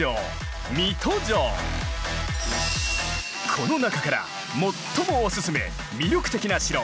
この中から最もおすすめ魅力的な城